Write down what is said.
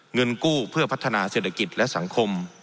เงินกู้เพื่อพัฒนาเศรษฐกิจและสังคม